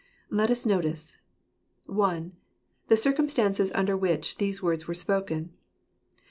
Let us notice — I.— The Circumstances under which these Words were Spoken.